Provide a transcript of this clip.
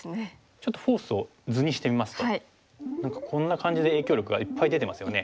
ちょっとフォースを図にしてみますと何かこんな感じで影響力がいっぱい出てますよね。